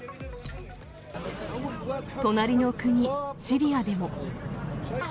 隣の国、シリアでも。